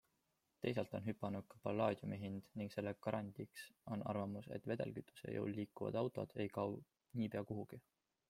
Teisalt on hüpanud ka pallaadiumi hind ning selle garandiks on arvamus, et vedelkütuse jõul liikuvad autod ei kao niipea kuhugi.